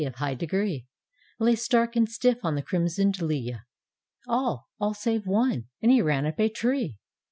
Of high degree, Lay stark and stilf on the crimson'd lea. All — all save one — and he ran up a tree!